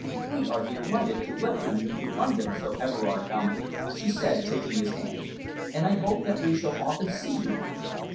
"We are delighted to welcome you to London, Sir Everard Dominey," she said, taking his hand, "and I hope that we shall often see you here.